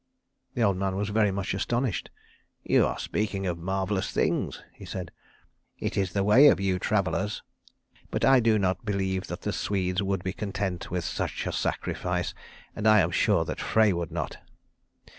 The old man was very much astonished. "You are speaking of marvellous things," he said. "It is the way of you travellers. But I do not believe that the Swedes would be content with such a sacrifice, and I am sure that Frey would not."